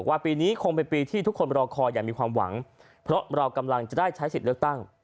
ปีนี้คงเป็นปีที่ทุกคนรอคอยอย่างมีความหวังเพราะเรากำลังจะได้ใช้สิทธิ์เลือกตั้ง